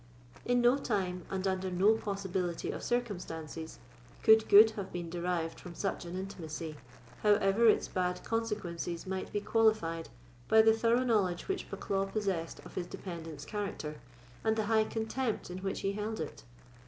In no time, and under no possibility of circumstances, could good have been derived from such an intimacy, however its bad consequences might be qualified by the thorough knowledge which Bucklaw possessed of his dependant's character, and the high contempt in which he held it.